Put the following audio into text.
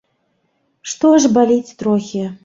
Што аж баліць трохі.